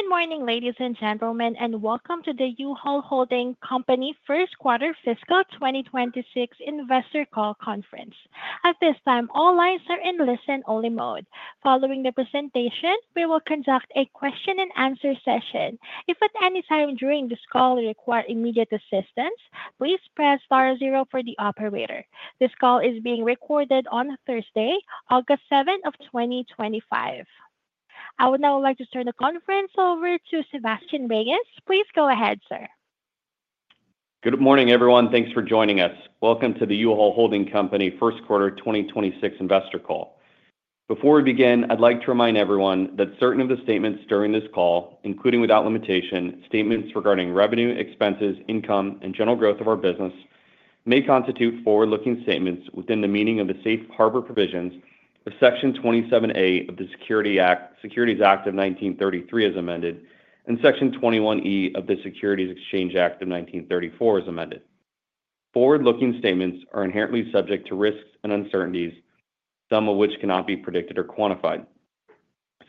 Good morning, ladies and gentlemen, and welcome to the U-Haul Holding Company’s First Quarter fiscal 2026 Investor Call Conference. At this time, all lines are in listen-only mode. Following the presentation, we will conduct a question-and-answer session. If at any time during this call you require immediate assistance, please press star zero for the operator. This call is being recorded on Thursday, August 7, 2025. I would now like to turn the conference over to Sebastien Reyes. Please go ahead, sir. Good morning, everyone. Thanks for joining us. Welcome to the U-Haul Holding Company first quarter 2026 investor call. Before we begin, I'd like to remind everyone that certain of the statements during this call, including without limitation, statements regarding revenue, expenses, income, and general growth of our business, may constitute forward-looking statements within the meaning of the Safe Harbor provisions of Section 27A of the Securities Act of 1933 as amended, and Section 21E of the Securities Exchange Act of 1934 as amended. Forward-looking statements are inherently subject to risks and uncertainties, some of which cannot be predicted or quantified.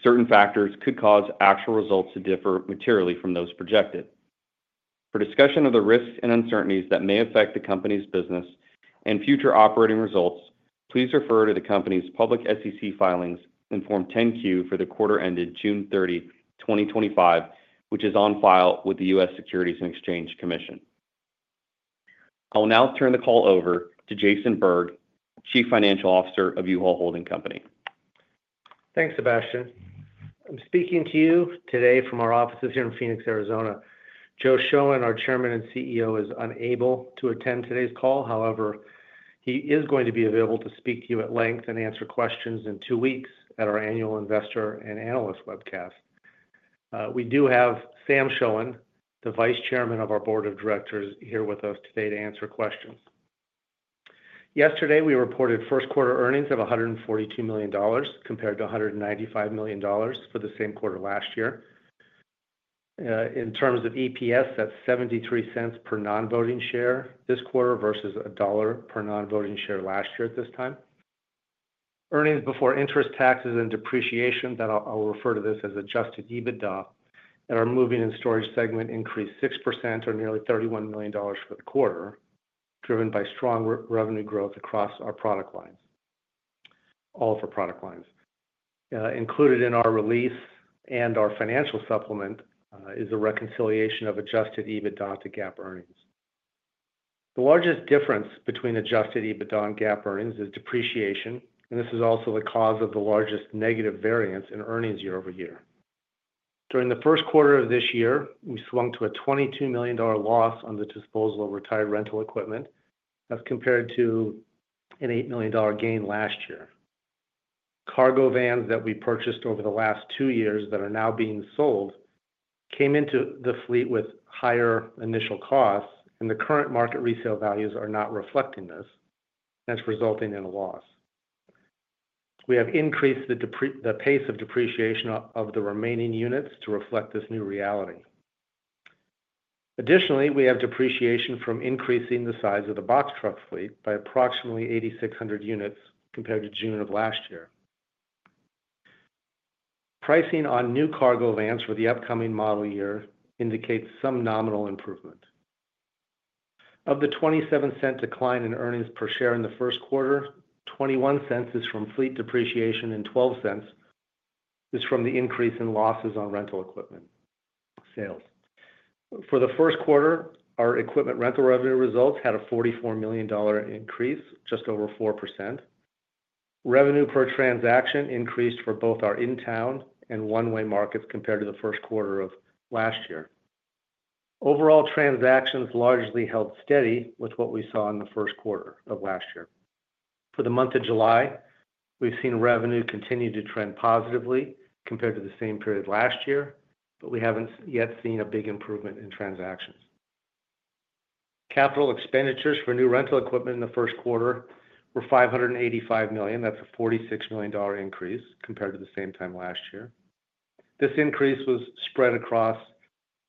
Certain factors could cause actual results to differ materially from those projected. For discussion of the risks and uncertainties that may affect the company's business and future operating results, please refer to the company's public SEC filings in Form 10-Q for the quarter ended June 30, 2025, which is on file with the U.S. Securities and Exchange Commission. I will now turn the call over to Jason Berg, Chief Financial Officer of U-Haul Holding Company. Thanks, Sebastien. I'm speaking to you today from our offices here in Phoenix, Arizona. Joe Shoen, our Chairman and CEO, is unable to attend today's call. However, he is going to be available to speak to you at length and answer questions in two weeks at our annual investor and analyst webcast. We do have Sam Shoen, the Vice Chairman of our Board of Directors, here with us today to answer questions. Yesterday, we reported first quarter earnings of $142 million compared to $195 million for the same quarter last year. In terms of EPS, that's $0.73 per non-voting share this quarter versus $1.00 per non-voting share last year at this time. Earnings before interest, taxes, and depreciation, that I'll refer to as adjusted EBITDA, in our moving and storage segment increased 6% or nearly $31 million for the quarter, driven by strong revenue growth across our product lines, all of our product lines. Included in our release and our financial supplement is a reconciliation of adjusted EBITDA to GAAP earnings. The largest difference between adjusted EBITDA and GAAP earnings is depreciation, and this is also the cause of the largest negative variance in earnings year-over-year. During the first quarter of this year, we swung to a $22 million loss on the disposal of retired rental equipment. That's compared to an $8 million gain last year. Cargo vans that we purchased over the last two years that are now being sold came into the fleet with higher initial costs, and the current market resale values are not reflecting this. That's resulting in a loss. We have increased the pace of depreciation of the remaining units to reflect this new reality. Additionally, we have depreciation from increasing the size of the box truck fleet by approximately 8,600 units compared to June of last year. Pricing on new cargo vans for the upcoming model year indicates some nominal improvement. Of the $0.27 decline in earnings per share in the first quarter, $0.21 is from fleet depreciation and $0.12 is from the increase in losses on rental equipment sales. For the first quarter, our equipment rental revenue results had a $44 million increase, just over 4%. Revenue per transaction increased for both our in-town and one-way markets compared to the first quarter of last year. Overall, transactions largely held steady with what we saw in the first quarter of last year. For the month of July, we've seen revenue continue to trend positively compared to the same period last year, but we haven't yet seen a big improvement in transactions. Capital expenditures for new rental equipment in the first quarter were $585 million. That's a $46 million increase compared to the same time last year. This increase was spread across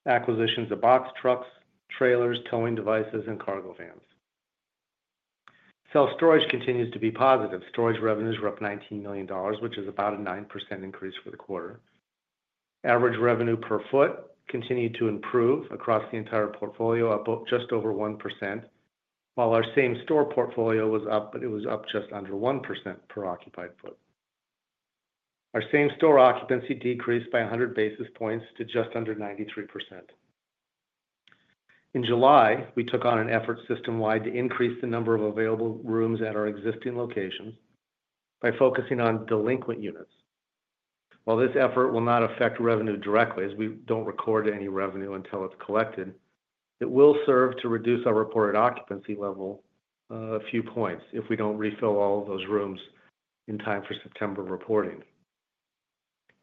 acquisitions of box trucks, trailers, towing devices, and cargo vans. Self-storage continues to be positive. Storage revenues were up $19 million, which is about a 9% increase for the quarter. Average revenue per foot continued to improve across the entire portfolio, up just over 1%, while our same-store portfolio was up, but it was up just under 1% per occupied foot. Our same-store occupancy decreased by 100 basis points to just under 93%. In July, we took on an effort system-wide to increase the number of available rooms at our existing locations by focusing on delinquent units. While this effort will not affect revenue directly, as we don't record any revenue until it's collected, it will serve to reduce our reported occupancy level a few points if we don't refill all of those rooms in time for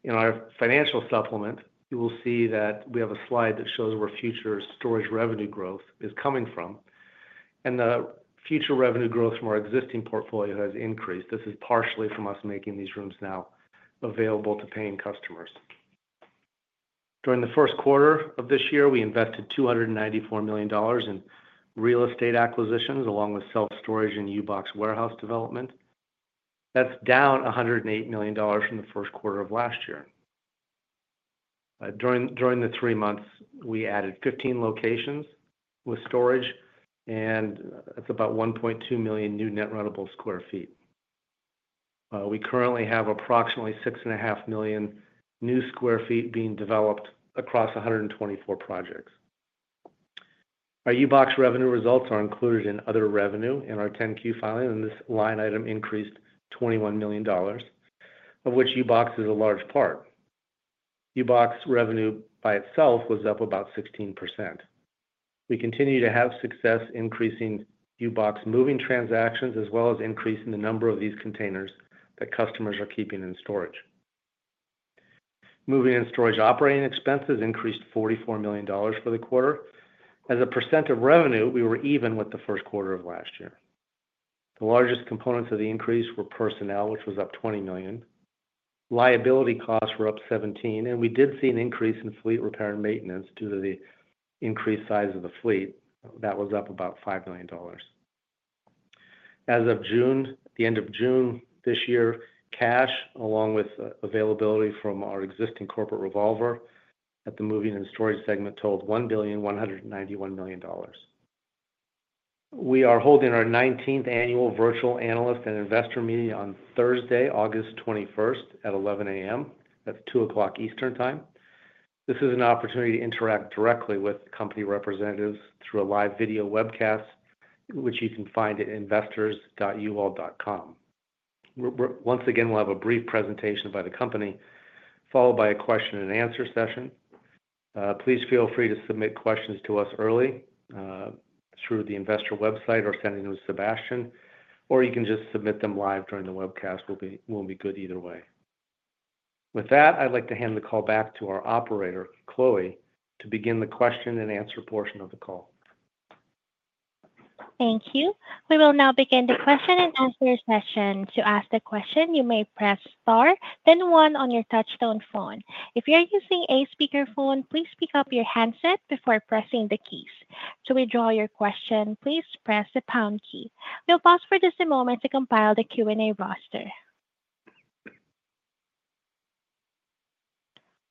September reporting. In our financial supplement, you will see that we have a slide that shows where future storage revenue growth is coming from, and the future revenue growth from our existing portfolio has increased. This is partially from us making these rooms now available to paying customers. During the first quarter of this year, we invested $294 million in real estate acquisitions, along with self-storage and U-Box warehouse development. That's down $108 million from the first quarter of last year. During the three months, we added 15 locations with storage, and that's about 1.2 million new net rentable square feet. We currently have approximately 6.5 million new square feet being developed across 124 projects. Our U-Box revenue results are included in other revenue in our 10-Q filing, and this line item increased $21 million, of which U-Box is a large part. U-Box revenue by itself was up about 16%. We continue to have success increasing U-Box moving transactions, as well as increasing the number of these containers that customers are keeping in storage. Moving and storage operating expenses increased $44 million for the quarter. As a percent of revenue, we were even with the first quarter of last year. The largest components of the increase were personnel, which was up $20 million. Liability costs were up 17%, and we did see an increase in fleet repair and maintenance due to the increased size of the fleet. That was up about $5 million. As of the end of June this year, cash, along with availability from our existing corporate revolver at the moving and storage segment, totaled $1,191 million. We are holding our 19th annual virtual analyst and investor meeting on Thursday, August 21, at 11:00 A.M. That's 2:00 P.M. Eastern Time. This is an opportunity to interact directly with company representatives through a live video webcast, which you can find at investors.uhall.com. Once again, we'll have a brief presentation by the company, followed by a question-and-answer session. Please feel free to submit questions to us early through the investor website or sending them to Sebastien, or you can just submit them live during the webcast. We'll be good either way. With that, I'd like to hand the call back to our operator, Chloe, to begin the question and answer portion of the call. Thank you. We will now begin the question-and-answer session. To ask a question, you may press star, then one on your touch-tone phone. If you're using a speaker phone, please pick up your handset before pressing the keys. To withdraw your question, please press the pound key. We'll pause for just a moment to compile the Q&A roster.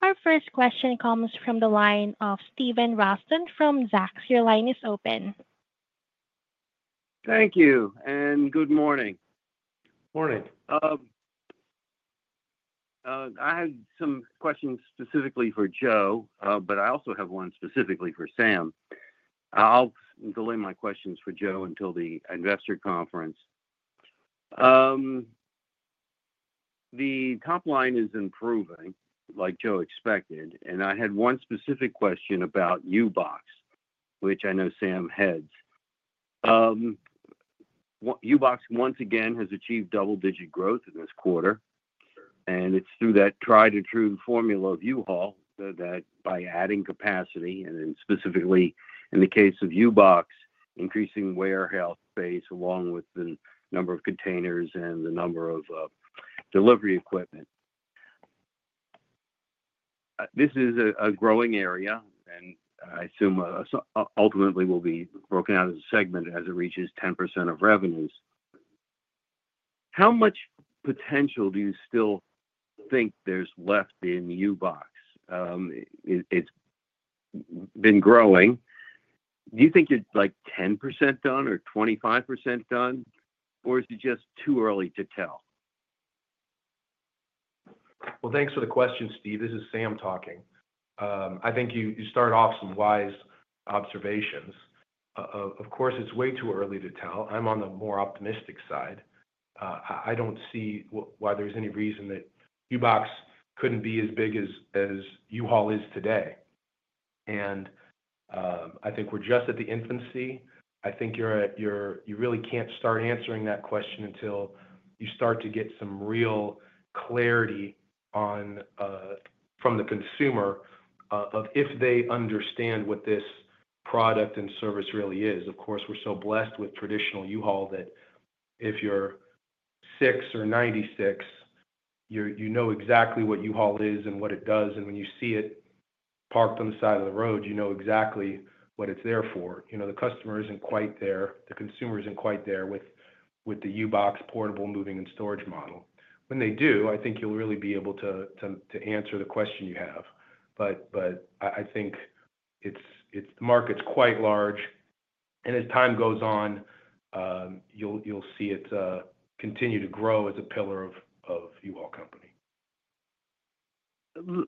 Our first question comes from the line of Steven Ralston from Zacks Investments. Your line is open. Thank you, and good morning. Morning. I had some questions specifically for Joe, but I also have one specifically for Sam. I'll delay my questions for Joe until the investor conference. The top line is improving, like Joe expected, and I had one specific question about U-Box, which I know Sam heads. U-Box, once again, has achieved double-digit growth in this quarter, and it's through that tried-and-true formula of U-Haul that by adding capacity, and then specifically in the case of U-Box, increasing warehouse space along with the number of containers and the number of delivery equipment. This is a growing area, and I assume ultimately will be broken out as a segment as it reaches 10% of revenues. How much potential do you still think there's left in U-Box? It's been growing. Do you think you're like 10% done or 25% done, or is it just too early to tell? Thank you for the question, Steve. This is Sam talking. I think you started off with some wise observations. Of course, it's way too early to tell. I'm on the more optimistic side. I don't see why there's any reason that U-Box couldn't be as big as U-Haul is today. I think we're just at the infancy. You really can't start answering that question until you start to get some real clarity from the consumer on if they understand what this product and service really is. Of course, we're so blessed with traditional U-Haul that if you're 6 or 96, you know exactly what U-Haul is and what it does. When you see it parked on the side of the road, you know exactly what it's there for. The customer isn't quite there. The consumer isn't quite there with the U-Box portable moving and storage model. When they do, I think you'll really be able to answer the question you have. I think the market's quite large, and as time goes on, you'll see it continue to grow as a pillar of U-Haul Holding Company.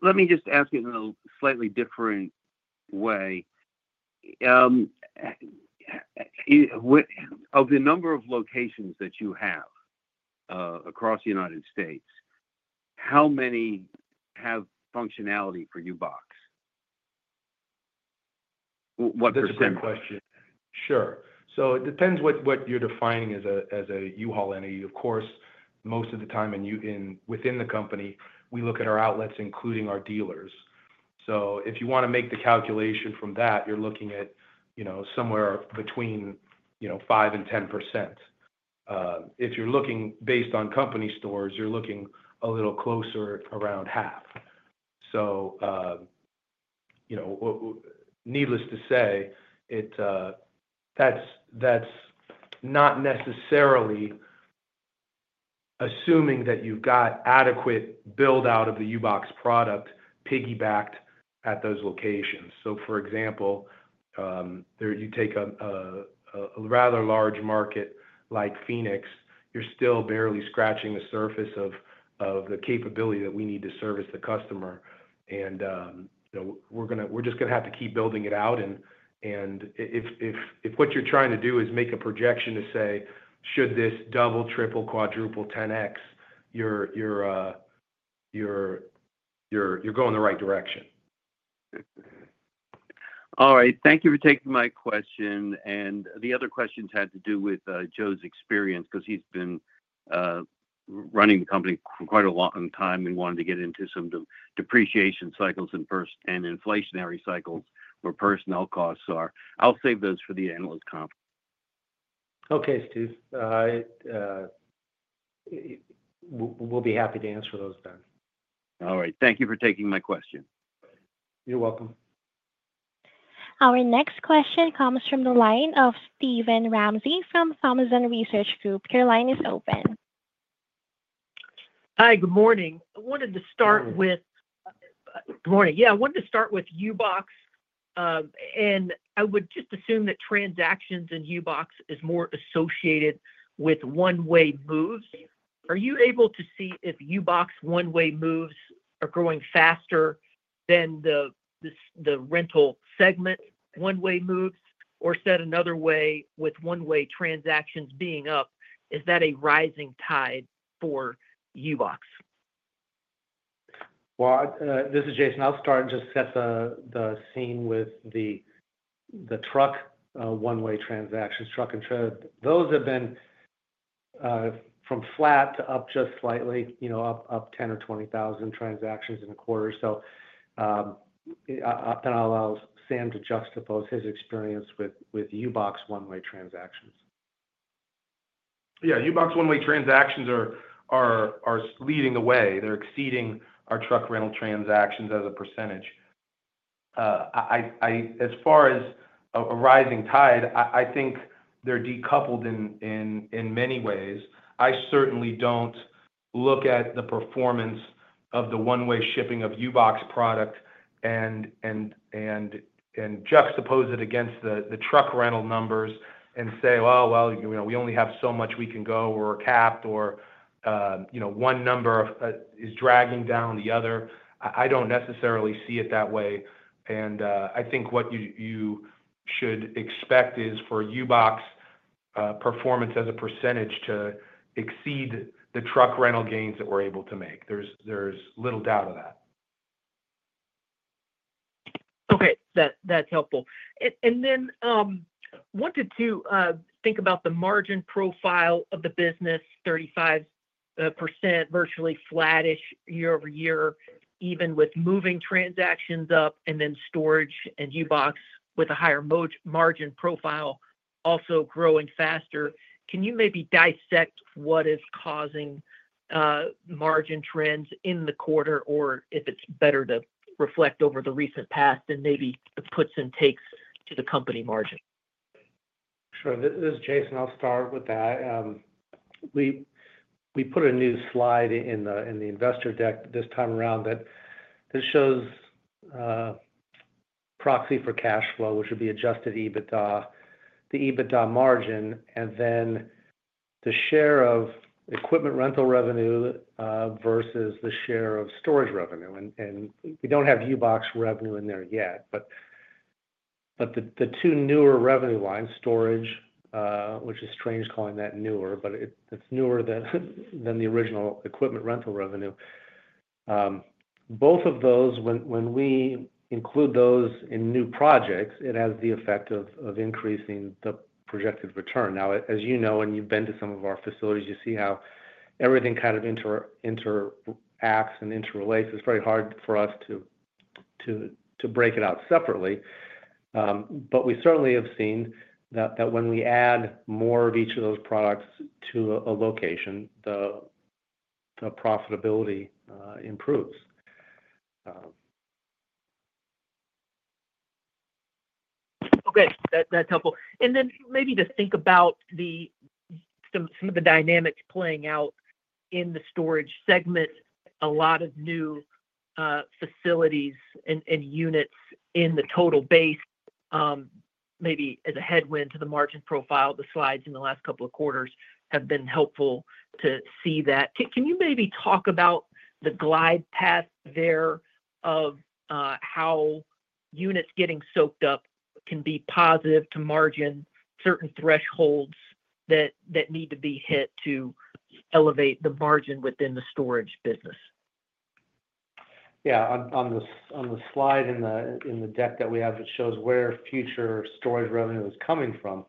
Let me just ask it in a slightly different way. Of the number of locations that you have across the United States, how many have functionality for U-Box? That's a good question. Sure. It depends what you're defining as a U-Haul entity. Of course, most of the time within the company, we look at our outlets, including our dealers. If you want to make the calculation from that, you're looking at somewhere between 5% and 10%. If you're looking based on company stores, you're looking a little closer around half. Needless to say, that's not necessarily assuming that you've got adequate build-out of the U-Box product piggybacked at those locations. For example, you take a rather large market like Phoenix, you're still barely scratching the surface of the capability that we need to service the customer. We're just going to have to keep building it out. If what you're trying to do is make a projection to say, should this double, triple, quadruple, 10X, you're going the right direction. All right. Thank you for taking my question. The other questions had to do with Joe's experience because he's been running the company for quite a long time and wanted to get into some depreciation cycles and inflationary cycles where personnel costs are. I'll save those for the analyst conference. Okay, Steve, we'll be happy to answer those then. All right, thank you for taking my question. You're welcome. Our next question comes from the line of Steven Ramsey from Thompson Research Group. Your line is open. Hi, good morning. I wanted to start with. Morning. Morning. I wanted to start with U-Box. I would just assume that transactions in U-Box are more associated with one-way moves. Are you able to see if U-Box one-way moves are growing faster than the rental segment one-way moves? Or said another way, with one-way transactions being up, is that a rising tide for U-Box? This is Jason. I'll start and just set the scene with the truck one-way transactions, truck and trailer. Those have been from flat to up just slightly, up 10,000 or 20,000 transactions in a quarter. I'll allow Sam to juxtapose his experience with U-Box one-way transactions. U-Box one-way transactions are leading the way. They're exceeding our truck rental transactions as a percentage. As far as a rising tide, I think they're decoupled in many ways. I certainly don't look at the performance of the one-way shipping of U-Box product and juxtapose it against the truck rental numbers and say, "Oh, we only have so much we can go," or capped, or one number is dragging down the other. I don't necessarily see it that way. I think what you should expect is for U-Box performance as a percentage to exceed the truck rental gains that we're able to make. There's little doubt of that. Okay, that's helpful. I wanted to think about the margin profile of the business, 35%, virtually flattish year-over-year, even with moving transactions up and then storage and U-Box with a higher margin profile also growing faster. Can you maybe dissect what is causing margin trends in the quarter, or if it's better to reflect over the recent past and maybe the puts and takes to the company margin? Sure. This is Jason. I'll start with that. We put a new slide in the investor deck this time around that shows proxy for cash flow, which would be adjusted EBITDA, the EBITDA margin, and then the share of equipment rental revenue versus the share of storage revenue. We don't have U-Box revenue in there yet, but the two newer revenue lines, storage, which is strange calling that newer, but it's newer than the original equipment rental revenue. Both of those, when we include those in new projects, it has the effect of increasing the projected return. As you know, and you've been to some of our facilities, you see how everything kind of interacts and interrelates. It's very hard for us to break it out separately. We certainly have seen that when we add more of each of those products to a location, the profitability improves. Okay, that's helpful. Maybe to think about some of the dynamics playing out in the storage segment, a lot of new facilities and units in the total base, maybe as a headwind to the margin profile. The slides in the last couple of quarters have been helpful to see that. Can you maybe talk about the glide path there of how units getting soaked up can be positive to margin, certain thresholds that need to be hit to elevate the margin within the storage business? Yeah, on the slide in the deck that we have, it shows where future storage revenue is coming from.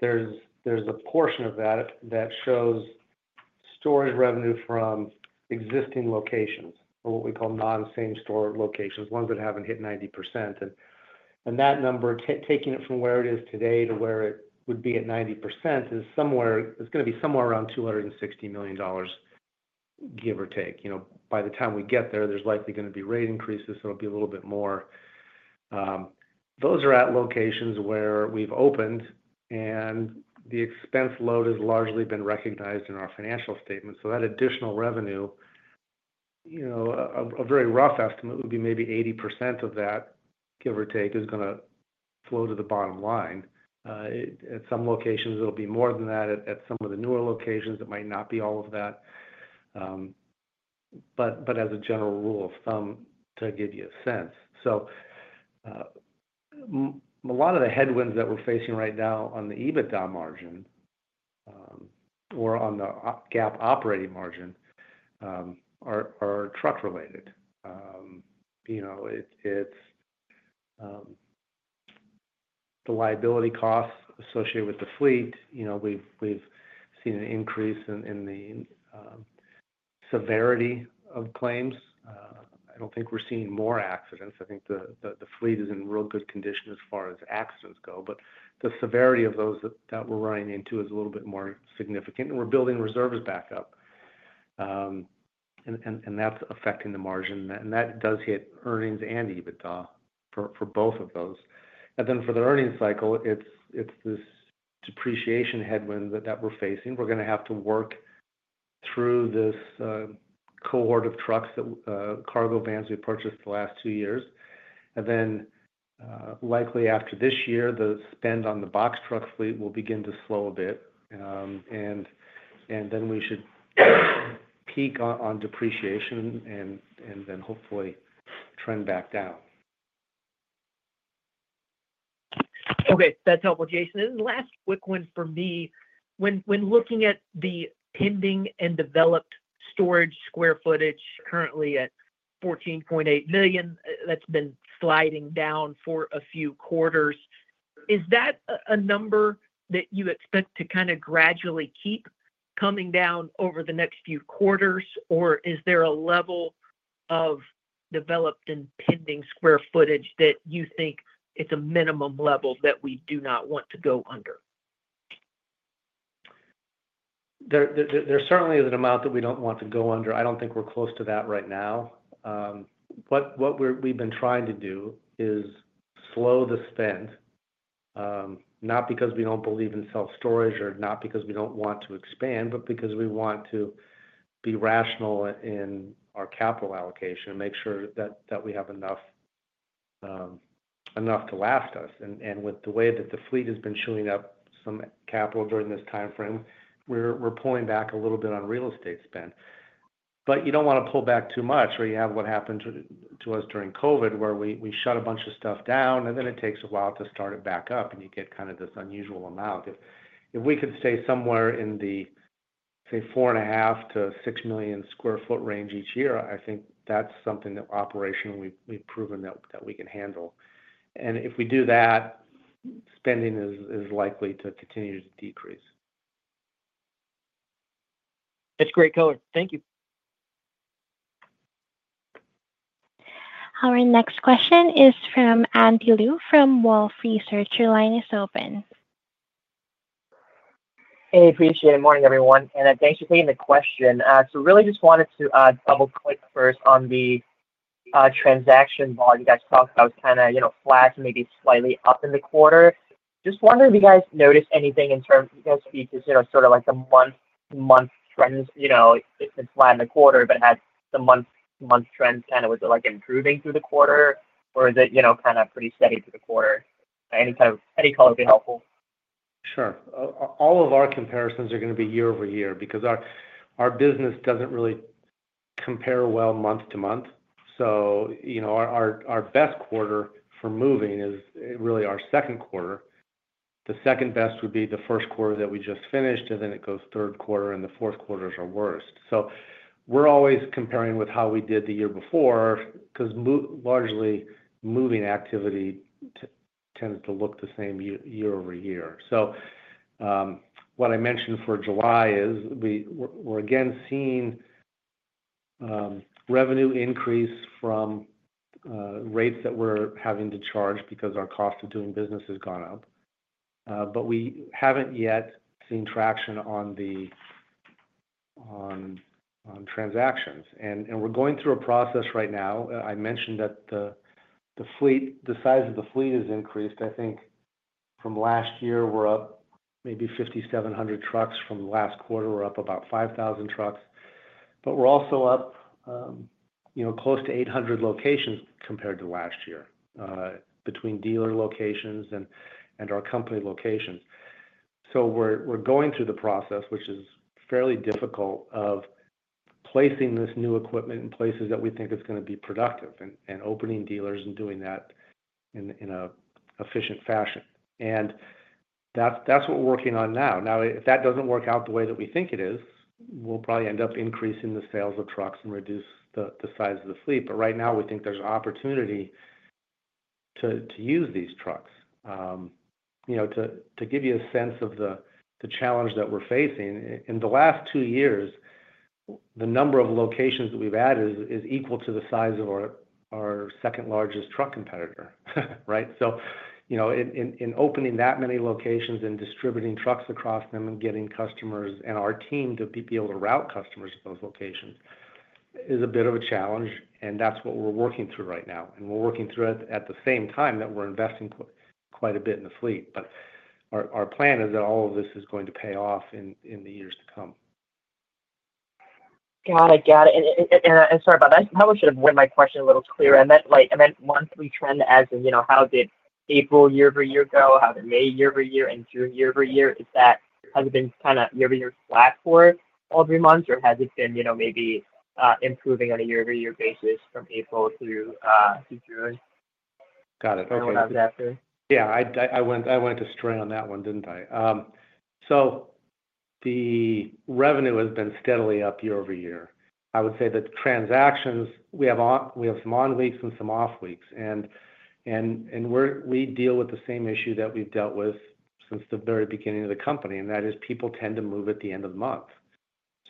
There's a portion of that that shows storage revenue from existing locations, what we call non-same store locations, ones that haven't hit 90%. That number, taking it from where it is today to where it would be at 90%, is going to be somewhere around $260 million, give or take. By the time we get there, there's likely going to be rate increases. It'll be a little bit more. Those are at locations where we've opened, and the expense load has largely been recognized in our financial statements. That additional revenue, a very rough estimate would be maybe 80% of that, give or take, is going to flow to the bottom line. At some locations, it'll be more than that. At some of the newer locations, it might not be all of that. As a general rule of thumb, to give you a sense. A lot of the headwinds that we're facing right now on the EBITDA margin or on the GAAP operating margin are truck-related. It's the liability costs associated with the fleet. We've seen an increase in the severity of claims. I don't think we're seeing more accidents. I think the fleet is in real good condition as far as accidents go, but the severity of those that we're running into is a little bit more significant. We're building reserves back up. That's affecting the margin. That does hit earnings and EBITDA for both of those. For the earnings cycle, it's this depreciation headwind that we're facing. We're going to have to work through this cohort of trucks, cargo vans we purchased the last two years. Likely after this year, the spend on the box truck fleet will begin to slow a bit. We should peak on depreciation and then hopefully trend back down. Okay, that's helpful, Jason. The last quick one for me. When looking at the ending and developed storage square footage currently at 14.8 million, that's been sliding down for a few quarters. Is that a number that you expect to kind of gradually keep coming down over the next few quarters, or is there a level of developed and pending square footage that you think it's a minimum level that we do not want to go under? There certainly is an amount that we don't want to go under. I don't think we're close to that right now. What we've been trying to do is slow the spend, not because we don't believe in self-storage or not because we don't want to expand, but because we want to be rational in our capital allocation and make sure that we have enough to last us. With the way that the fleet has been chewing up some capital during this timeframe, we're pulling back a little bit on real estate spend. You don't want to pull back too much or you have what happened to us during COVID where we shut a bunch of stuff down and then it takes a while to start it back up and you get kind of this unusual amount. If we could stay somewhere in the, say, 4.5 MM sq ft-6 MM sq ft range each year, I think that's something that operationally we've proven that we can handle. If we do that, spending is likely to continue to decrease. That's great color. Thank you. Our next question is from Andy Liu from Wolfe Research. Your line is open. Hey, appreciate it. Morning, everyone. Thank you for the question. I really just wanted to double-click first on the transaction volume that's talked about kind of flat, maybe slightly up in the quarter. Just wondering if you guys noticed anything in terms of sort of like the month-to-month trends. You know, it's flat in the quarter, but has the month-to-month trend kind of like improving through the quarter, or is it kind of pretty steady through the quarter? Any color would be helpful. Sure. All of our comparisons are going to be year-over-year because our business doesn't really compare well month to month. Our best quarter for moving is really our second quarter. The second best would be the first quarter that we just finished, and then it goes third quarter, and the fourth quarter is our worst. We're always comparing with how we did the year before because largely moving activity tends to look the same year-over-year. What I mentioned for July is we're again seeing revenue increase from rates that we're having to charge because our cost of doing business has gone up. We haven't yet seen traction on the transactions. We're going through a process right now. I mentioned that the size of the fleet has increased. I think from last year, we're up maybe 5,700 trucks. From last quarter, we're up about 5,000 trucks. We're also up close to 800 locations compared to last year between dealer locations and our company locations. We're going through the process, which is fairly difficult, of placing this new equipment in places that we think it's going to be productive and opening dealers and doing that in an efficient fashion. That's what we're working on now. If that doesn't work out the way that we think it is, we'll probably end up increasing the sales of trucks and reduce the size of the fleet. Right now, we think there's an opportunity to use these trucks. To give you a sense of the challenge that we're facing, in the last two years, the number of locations that we've added is equal to the size of our second largest truck competitor, right? In opening that many locations and distributing trucks across them and getting customers and our team to be able to route customers to those locations is a bit of a challenge. That's what we're working through right now. We're working through it at the same time that we're investing quite a bit in the fleet. Our plan is that all of this is going to pay off in the years to come. Got it. I'm sorry about that. I probably should have read my question a little clearer. Once we trend, as in, how did April year-over-year go? How did May year-over-year and June year-over-year? Has it been kind of year-over-year flat for all three months, or has it been maybe improving on a year-over-year basis from April through June? Got it. Okay. How about that, Bill? Yeah, I went astray on that one, didn't I? The revenue has been steadily up year-over-year. I would say that transactions, we have some on-weeks and some off-weeks. We deal with the same issue that we've dealt with since the very beginning of the company, and that is people tend to move at the end of the month.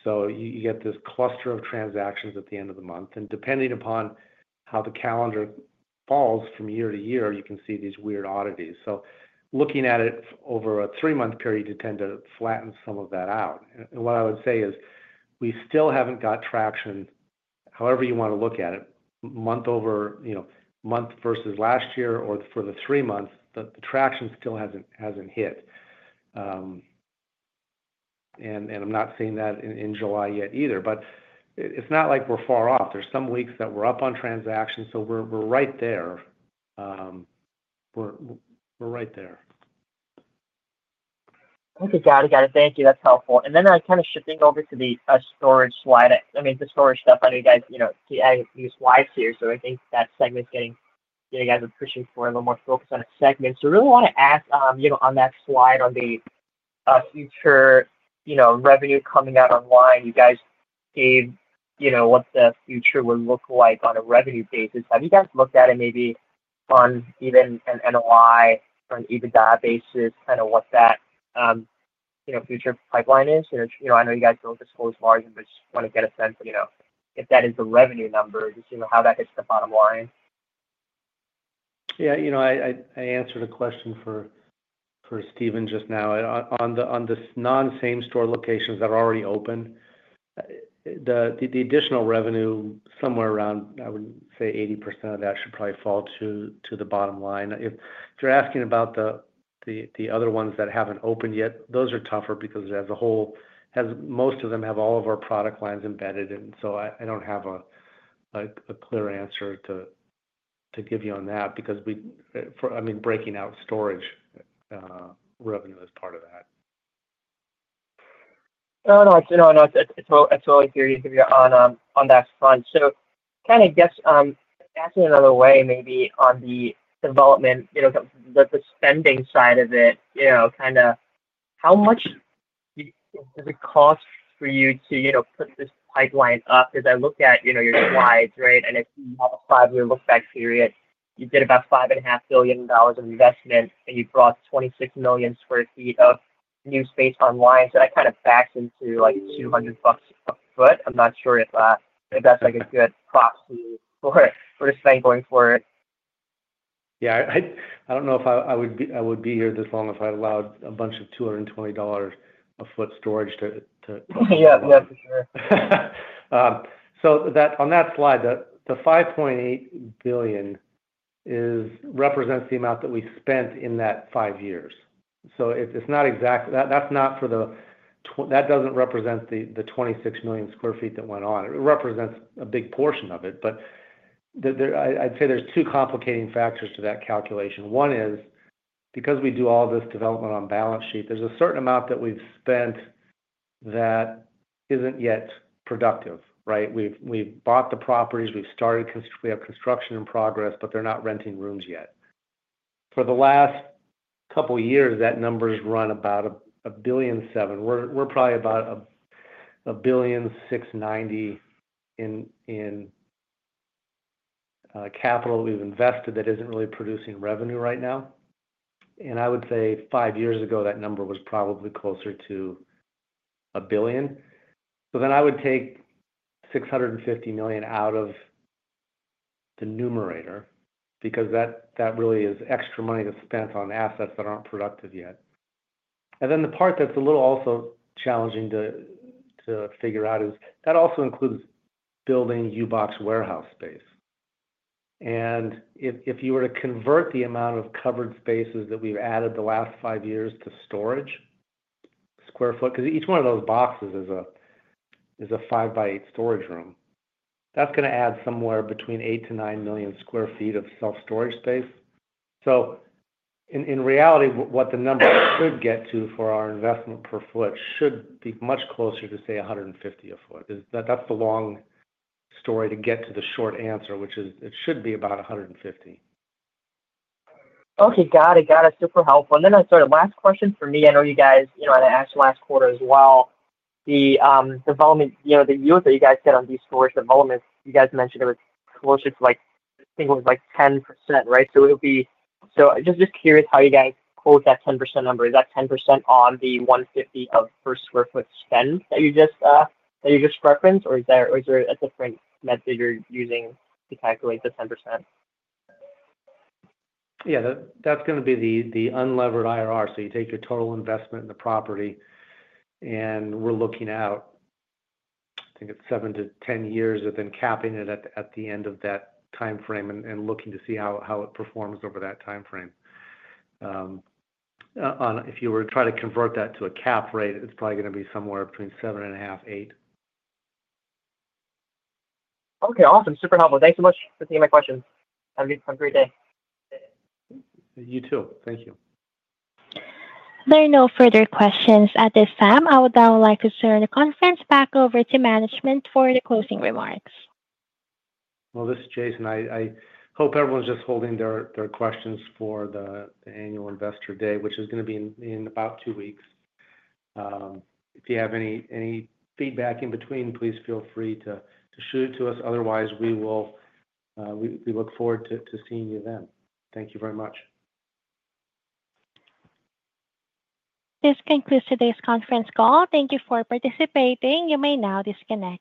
You get this cluster of transactions at the end of the month. Depending upon how the calendar falls from year to year, you can see these weird oddities. Looking at it over a three-month period, you tend to flatten some of that out. What I would say is we still haven't got traction, however you want to look at it, month over, you know, month versus last year or for the three months, the traction still hasn't hit. I'm not saying that in July yet either, but it's not like we're far off. There are some weeks that we're up on transactions, so we're right there. We're right there. Okay. Got it. Thank you. That's helpful. I kind of shifting over to the storage slide. I mean, the storage stuff, I know you guys, you know, use slides here, so I think that segment's getting, you know, you guys are pushing for a little more focus on a segment. I really want to ask, on that slide on the future, you know, revenue coming out online, you guys see, you know, what the future would look like on a revenue basis. Have you guys looked at it maybe on even an NOI or an EBITDA basis, kind of what that, you know, future pipeline is? I know you guys don't disclose margin, but I just want to get a sense, you know, if that is the revenue number, just so you know how that hits the bottom line. Yeah, you know, I answered a question for Steven just now. On the non-same store locations that are already open, the additional revenue, somewhere around, I would say, 80% of that should probably fall to the bottom line. If you're asking about the other ones that haven't opened yet, those are tougher because as a whole, most of them have all of our product lines embedded. I don't have a clear answer to give you on that because breaking out storage revenue is part of that. No, it's good to hear you on that front. Kind of just asking another way, maybe on the development, the spending side of it, how much does it cost for you to put this pipeline up? I look at your slides, right, and if you multiply your look-back period, you did about $5.5 billion of investment, and you brought 26 MM sq ft of new space online. That kind of backs into like $200 a foot. I'm not sure if that's a good cost for the spend going forward. Yeah, I don't know if I would be here this long if I allowed a bunch of $220 a foot storage to. Yeah, for sure. On that slide, the $5.8 billion represents the amount that we spent in that five years. It's not exactly that. That doesn't represent the 26 MM sq ft that went on. It represents a big portion of it. I'd say there's two complicating factors to that calculation. One is because we do all this development on balance sheet, there's a certain amount that we've spent that isn't yet productive, right? We've bought the properties. We've started, we have construction in progress, but they're not renting rooms yet. For the last couple of years, that number's run about $1.7 billion. We're probably about $1.690 billion in capital we've invested that isn't really producing revenue right now. I would say five years ago, that number was probably closer to $1 billion. I would take $650 million out of the numerator because that really is extra money that's spent on assets that aren't productive yet. The part that's also a little challenging to figure out is that also includes building U-Box warehouse space. If you were to convert the amount of covered spaces that we've added the last five years to storage square foot, because each one of those boxes is a five-by-eight storage room, that's going to add somewhere between 8 to 9 MM sq ft of self-storage space. In reality, what the number should get to for our investment per foot should be much closer to, say, $150 a foot. That's the long story to get to the short answer, which is it should be about $150. Okay, got it. Super helpful. I saw the last question for me. I know you guys, you know, I asked the last quarter as well. The development, you know, the yield that you guys get on these storage developments, you guys mentioned it was closer to, like, I think it was like 10%, right? I'm just curious how you guys hold that 10% number. Is that 10% on the $150 of first square foot spend that you just referenced, or is there a different method you're using to calculate the 10%? Yeah, that's going to be the unlevered IRR. You take your total investment in the property, and we're looking out, I think it's seven to 10 years of then capping it at the end of that timeframe and looking to see how it performs over that timeframe. If you were to try to convert that to a cap rate, it's probably going to be somewhere between 7.5% and 8%. Okay, awesome. Super helpful. Thanks so much for taking my question. Have a great day. You too. Thank you. There are no further questions at this time. I would now like to turn the conference back over to management for the closing remarks. I hope everyone's just holding their questions for the annual investor day, which is going to be in about two weeks. If you have any feedback in between, please feel free to shoot it to us. Otherwise, we will look forward to seeing you then. Thank you very much. This concludes today's conference call. Thank you for participating. You may now disconnect.